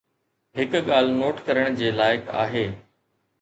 هڪ ڳالهه نوٽ ڪرڻ جي لائق آهي.